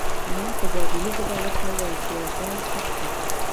ما په جرمني ژبه ورته وویل چې یو ځای پټ شئ